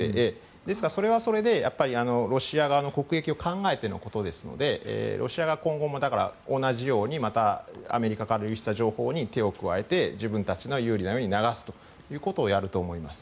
ですからそれはそれでロシア側の国益を考えてのことですのでロシア側は今後も同じようにアメリカから流出した情報に手を加えて自分たちの有利なように流すということをやると思います。